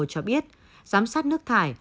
cho biết giám sát nước thải